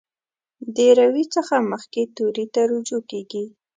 د روي څخه مخکې توري ته رجوع کیږي.